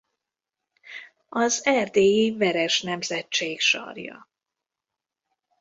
Az erdélyi Veres-nemzetség sarja.